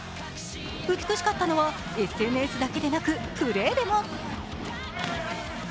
美しかったのはＳＮＳだけでなくプレーでも。